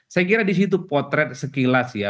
saya kira di situ potret sekilas ya